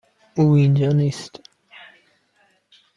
او اینجا نیست.